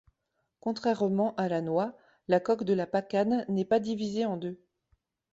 Contrairement à la noix, la coque de la pacane n’est pas divisée en deux.